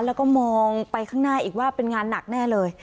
แล้วก็มองไปข้างหน้าอีกว่าเป็นงานหนักแน่เลย